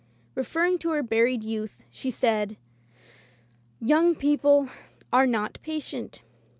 Referring to her buried youth, she said : "Young people are not patient.